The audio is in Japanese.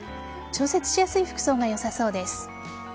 調節しやすい服装がよさそうです。